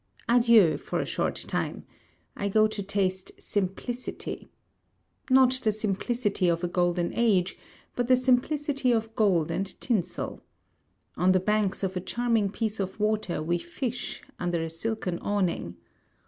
Adieu for a short time. I go to taste simplicity. Not the simplicity of a golden age; but the simplicity of gold and tinsel. On the banks of a charming piece of water we fish, under a silken awning.